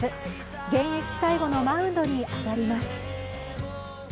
現役最後のマウンドに上がります。